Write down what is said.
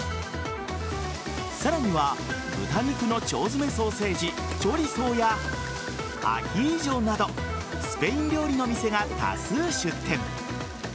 さらには豚肉の腸詰めソーセージチョリソーやアヒージョなどスペイン料理の店が多数出店。